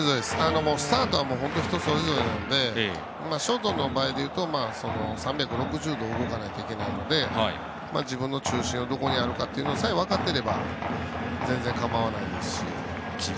スタートは人それぞれなのでショートの場合でいうと３６０度動かないといけないので自分の中心がどこにあるかさえ分かれば全然かまわないですし。